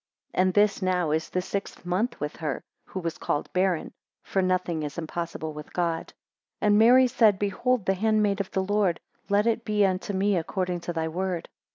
16 And this now is the sixth month with her, who was called barren: for nothing is impossible with God. 17 And Mary said, Behold the handmaid of the Lord; let it be unto me according to thy word.